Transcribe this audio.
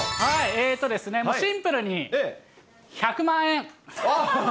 えーとですね、シンプルに１００万円。